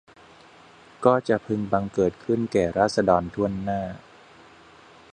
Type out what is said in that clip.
ก็จะพึงบังเกิดขึ้นแก่ราษฎรถ้วนหน้า